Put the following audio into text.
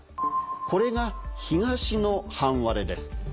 これが東の半割れです。